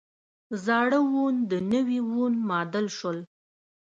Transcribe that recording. زاړه وون د نوي وون معادل شول.